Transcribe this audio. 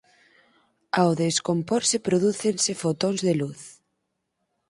Ao descomporse prodúcense fotóns de luz.